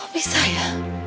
kok bisa ya